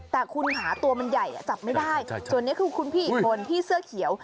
แต่คุณหาตัวมันใหญ่จับไม่ได้ส่วนนี้คือคุณพี่อีกคนที่เสื้อเขียว